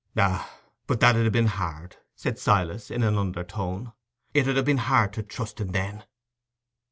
"Ah, but that 'ud ha' been hard," said Silas, in an under tone; "it 'ud ha' been hard to trusten then."